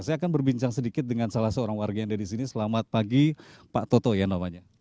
saya akan berbincang sedikit dengan salah seorang warga yang ada di sini selamat pagi pak toto ya namanya